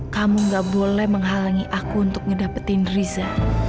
kamu gak boleh menghalangi aku untuk ngedapetin riza